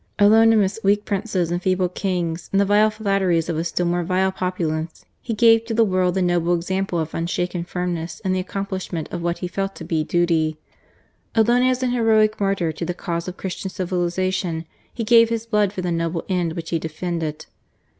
Alone amidst weak princes and feeble kings, and the vile flatteries of a still more vile populace, he gave to the world the noble example of unshaken firmness in PREFACE. the accomplishment of what he felt to be duty. Alone as an heroic martyr to the cause of Christian civilization, he gave his blood for the noble end which he defended.